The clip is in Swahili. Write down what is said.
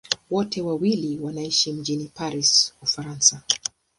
Wote wawili wanaishi mjini Paris, Ufaransa.